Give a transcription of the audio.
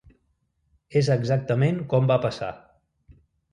És exactament com va passar.